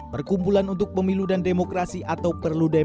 perkumpulan untuk pemilu dan demokrasi atau perludem